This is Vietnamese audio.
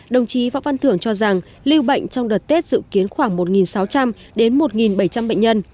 đồng chí võ văn thưởng cho rằng lưu bệnh trong đợt tết dự kiến khoảng một sáu trăm linh đến một bảy trăm linh bệnh nhân